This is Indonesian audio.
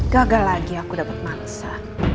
gagal lagi aku dapet mansa